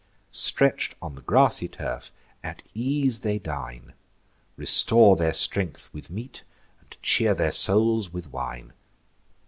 Stretch'd on the grassy turf, at ease they dine, Restore their strength with meat, and cheer their souls with wine.